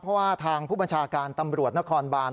เพราะว่าทางผู้บัญชาการตำรวจนครบาน